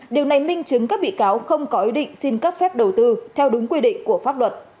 điều này minh chứng các bị cáo không có ý định xin cấp phép đầu tư theo đúng quy định của pháp luật